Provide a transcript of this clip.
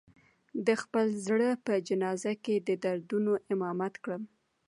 د خپل زړه په جنازه کې د دردونو امامت کړم